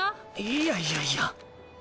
いやいやいや。